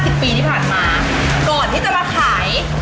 ก่อนที่จะมาถ่ายไก่ย่างขอบคุณหญาย